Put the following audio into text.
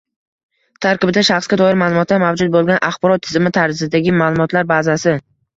— tarkibida shaxsga doir ma’lumotlar mavjud bo‘lgan axborot tizimi tarzidagi ma’lumotlar bazasi;